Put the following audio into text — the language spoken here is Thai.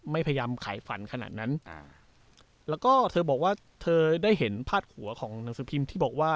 ไม่พยายามขายฝันขนาดนั้นอ่าแล้วก็เธอบอกว่าเธอได้เห็นพาดหัวของหนังสือพิมพ์ที่บอกว่า